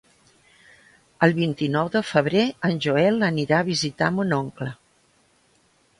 El vint-i-nou de febrer en Joel anirà a visitar mon oncle.